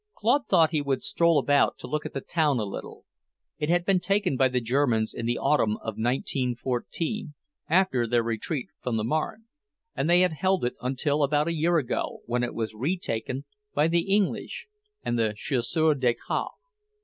Claude thought he would stroll about to look at the town a little. It had been taken by the Germans in the autumn of 1914, after their retreat from the Marne, and they had held it until about a year ago, when it was retaken by the English and the Chasseurs d'Alpins.